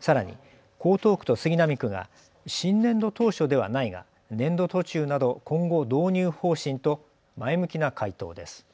さらに江東区と杉並区が新年度当初ではないが年度途中など今後導入方針と前向きな回答です。